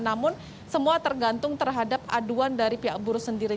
namun semua tergantung terhadap aduan dari pihak buruh sendiri